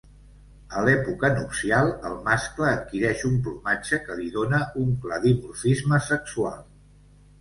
A l'època nupcial, el mascle adquireix un plomatge que li dóna un clar dimorfisme sexual.